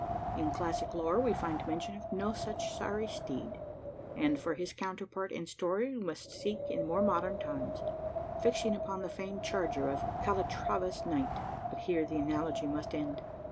In classic lore we find mention of no such sorry steed; and, for his counterpart in story, we must seek in more modern times fixing upon the famed charger of Calatrava's knight. But here the analogy must end.